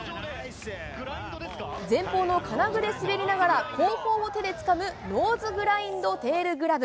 前方の金具で滑りながら、後方を手でつかむノーズグラインドテールグラブ。